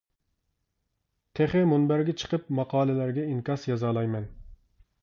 تېخى مۇنبەرگە چىقىپ ماقالىلەرگە ئىنكاس يازالايمەن.